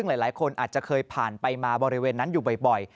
หลายคนอาจจะเคยผ่านไปมาบริเวณนั้นอยู่บ่อย